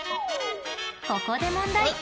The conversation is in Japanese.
ここで問題。